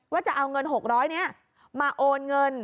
ว่าจะเอาเงิน๖๐๐บาทมาโอนเงิน